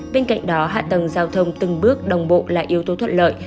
bên cạnh đó hạ tầng giao thông từng bước đồng bộ là yếu tố thuận lợi